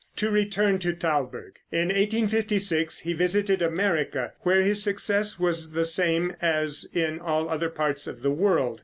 To return to Thalberg. In 1856 he visited America, where his success was the same as in all other parts of the world.